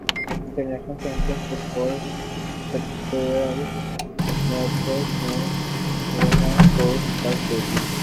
international champions football کپریال Madrid نے روما کو شکست دیدی